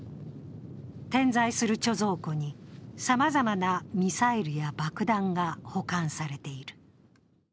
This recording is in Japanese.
点在する貯蔵庫にさまざまなミサイルや爆弾が保管されている。